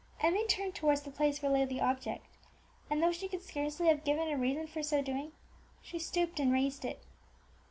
Emmie turned towards the place where lay the object, and, though she could scarcely have given a reason for so doing, she stooped and raised it.